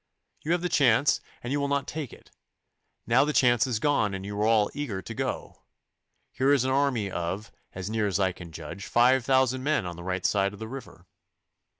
'You have the chance and you will not take it. Now the chance is gone and you are all eager to go. Here is an army of, as near as I can judge, five thousand men on the right side of the river.